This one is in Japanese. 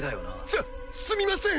すすみません！